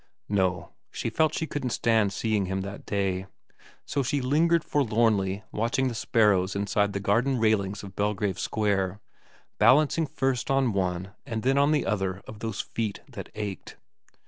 No, she felt she couldn't stand seeing him that day. So she lingered forlornly watching the sparrows inside the garden railings of Belgrave Square, balancing first on one and then on the other of those feet that ached.